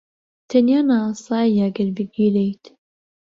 تەنیا نایاساییە ئەگەر بگیرێیت.